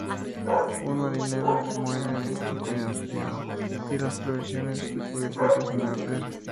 Un marinero muere ametrallado y las provisiones en cubierta empiezan a arder.